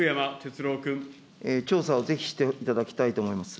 調査をぜひしていただきたいと思います。